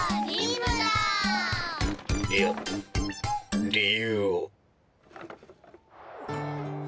いや理由を。